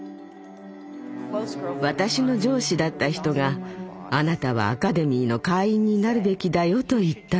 私の上司だった人があなたはアカデミーの会員になるべきだよと言ったの。